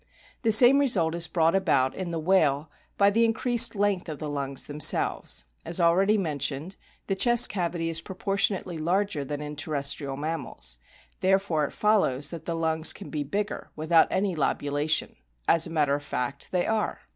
The same result is brought about in the whale by the increased length of the lungs themselves. As already mentioned the chest cavity is proportionately larger than in terrestrial mammals ; therefore it follows that the lungs can be bigger without any lobulation. As a matter of fact they are.